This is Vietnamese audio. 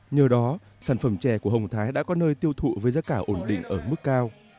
nhờ đó sản phẩm chè của hồng thái đã có nơi tiêu thụ với giá cả ổn định ở mức cao